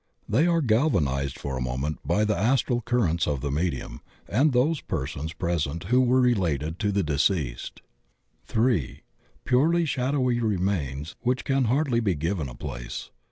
They are galvanized for a moment by the astral currents of the medium and of those persons present who were related to the deceased. (3) Purely shadowy remains which can hardly be given a place.